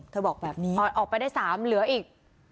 เธอบอกแบบนี้ออกไปได้๓เหลืออีก